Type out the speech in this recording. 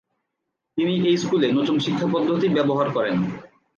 তিনি এই স্কুলে নতুন শিক্ষাপদ্ধতি ব্যবহার করেন।